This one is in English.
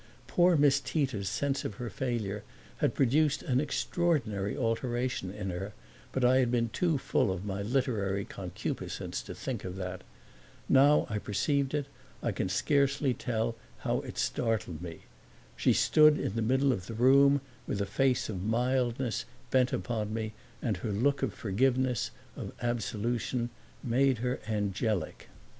Poor Miss Tita's sense of her failure had produced an extraordinary alteration in her, but I had been too full of my literary concupiscence to think of that. Now I perceived it; I can scarcely tell how it startled me. She stood in the middle of the room with a face of mildness bent upon me, and her look of forgiveness, of absolution, made her angelic.